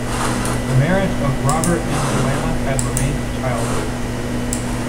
The marriage of Robert and Joanna had remained childless.